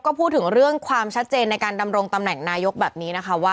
ก็พูดถึงเรื่องความชัดเจนในการดำรงตำแหน่งนายกแบบนี้นะคะว่า